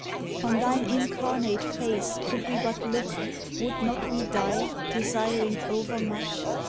On thine incarnate face could we but look. Would not we die. Desiring overmuch*?